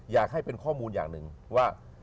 อยากให้เป็นข้อมูลอย่างหนึ่งว่า